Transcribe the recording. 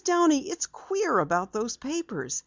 Downey, it's queer about those papers.